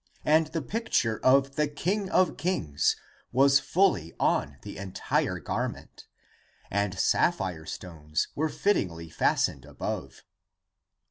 > And the picture of the King of kings Was fully on the entire garment, And sapphire stones were fittingly fastened above.